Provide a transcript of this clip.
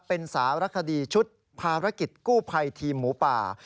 เป็นสารคดีชุดภารกิจกู้ภัยทีมหมูป่า